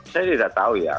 saya tidak tahu ya